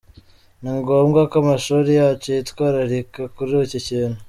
Ni ngombwa ko amashuri yacu yitwararika kuri iki kintu.